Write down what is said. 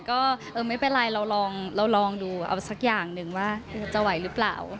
ก็ไม่เป็นไรเราลองดูเอาสักอย่างหนึ่งว่าจะไหวหรือเปล่า